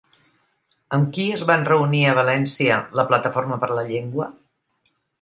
Amb qui es van reunir a València la Plataforma per la Llengua?